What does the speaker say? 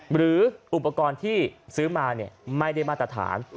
หรืออุปกรณ์ที่ซื้อมาไม่ได้มาตรฐาน